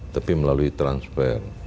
tapi melalui transfer